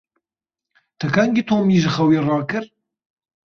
Te kengî Tomî ji xewê rakir?